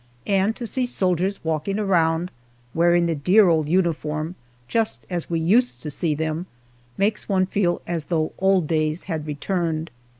And to see soldiers walking around, wearing the dear old uniform, just as we used to see them, makes one feel as though old days had returned.